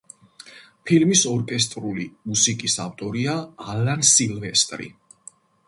ფილმის ორკესტრული მუსიკის ავტორია ალან სილვესტრი.